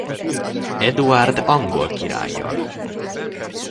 Eduárd angol királlyal.